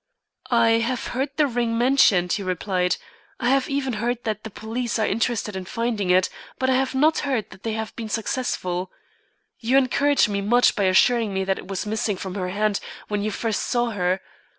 "I have heard the ring mentioned," he replied, "I have even heard that the police are interested in finding it; but I have not heard that they have been successful. You encourage me much by assuring me that it was missing from her hand when you first saw her.